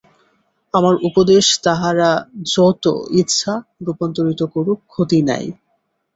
আমার উপদেশ তাহারা যত ইচ্ছা রূপান্তরিত করুক, ক্ষতি নাই।